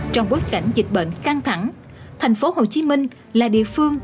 trong bối cảnh dịch bệnh căng thẳng thành phố hồ chí minh là địa phương